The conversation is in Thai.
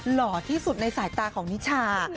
หล่อที่สุดในสายตาของนิชา